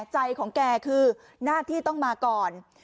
ใจของแกคือหน้าที่ต้องมาก่อน